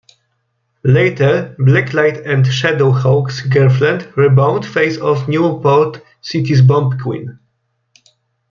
Later, Blacklight and Shadowhawk's girlfriend Rebound face off New Port City's Bomb Queen.